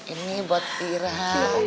ini buat bi irah